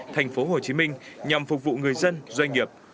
thành phố hồ chí minh nhằm phục vụ người dân doanh nghiệp